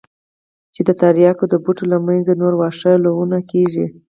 چې د ترياکو د بوټو له منځه نور واښه للون کېږي.